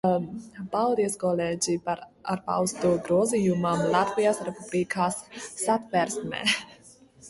Paldies, kolēģi, par atbalstu grozījumam Latvijas Republikas Satversmē!